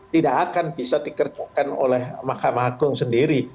tidak akan bisa dikerjakan oleh mahkamah agung sendiri